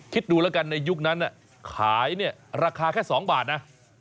คิดดูแล้วกันในยุคนั้นขายเนี่ยราคาแค่๒บาทนะ